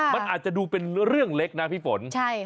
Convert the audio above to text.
มันอาจจะดูเป็นเรื่องเล็กนะพี่ฝน